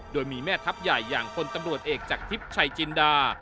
โดยมีแม่ทัพใหญ่อย่างพลตำรวจเอกจากทิพย์ชัยจินดา